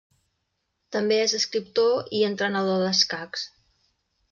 També és escriptor i entrenador d'escacs.